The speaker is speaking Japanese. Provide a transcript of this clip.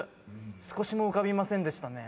少しも浮かびませんでしたね。